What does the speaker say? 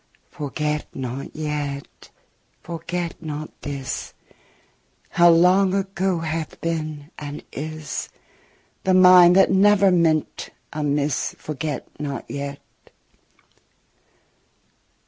Forget not yet, forget not this, How long ago hath been and is The mind that never meant amiss, Forget not yet.